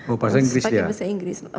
oh bahasa inggris ya